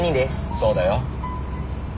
そうだよ。